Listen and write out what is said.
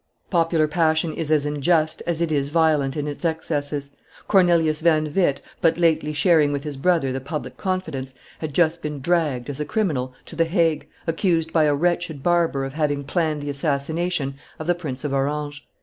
Popular passion is as unjust as it is violent in its excesses. Cornelius van Witt, but lately sharing with his brother the public confidence, had just been dragged, as a criminal, to the Hague, accused by a wretched barber of having planned the assassination of the Prince of Orange.